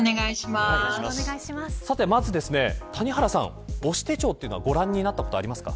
まず谷原さん、母子手帳はご覧になったことありますか。